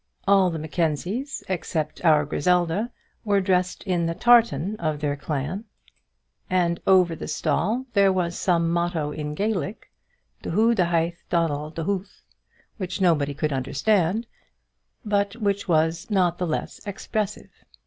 All the Mackenzies, except our Griselda, were dressed in the tartan of their clan; and over the stall there was some motto in Gaelic, "Dhu dhaith donald dhuth," which nobody could understand, but which was not the less expressive.